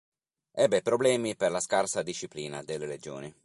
Ebbe problemi per la scarsa disciplina delle legioni.